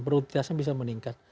produkitasnya bisa meningkat